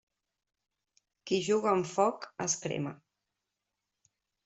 Qui juga amb foc es crema.